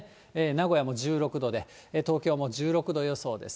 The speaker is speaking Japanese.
名古屋も１６度で、東京はもう１６度予想です。